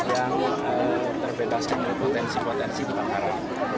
yang terbebaskan oleh potensi potensi kebakaran